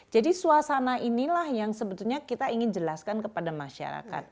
jadi suasana inilah yang sebetulnya kita ingin jelaskan kepada masyarakat